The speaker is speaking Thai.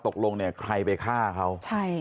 ตกลงใครไปฆ่าเขา